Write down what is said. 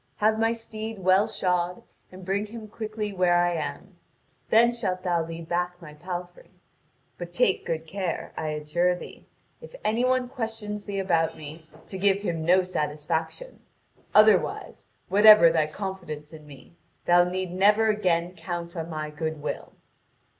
Have my steed well shod, and bring him quickly where I am; then shalt thou lead back my palfrey. But take good care, I adjure thee, if any one questions thee about me, to give him no satisfaction. Otherwise, whatever thy confidence in me, thou need never again count on my goodwill."